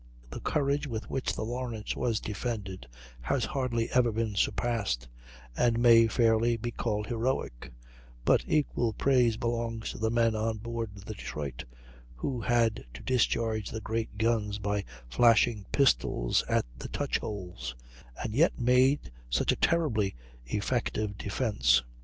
The courage with which the Lawrence was defended has hardly ever been surpassed, and may fairly be called heroic; but equal praise belongs to the men on board the Detroit, who had to discharge the great guns by flashing pistols at the touchholes, and yet made such a terribly effective defence.